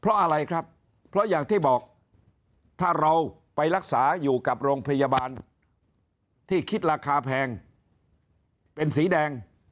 เพราะอะไรครับเพราะอย่างที่บอกถ้าเราไปรักษาอยู่กับโรงพยาบาลที่คิดราคาแพงเป็นสีแดง